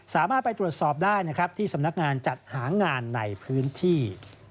สามารถไปตรวจสอบได้นะครับที่สำนักงานจัดหางานในพื้นที่